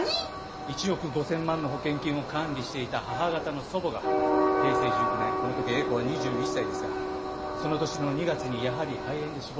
１億５０００万の保険金を管理していた母方の祖母が平成１９年この時英子は２１歳ですがその年の２月にやはり肺炎で死亡。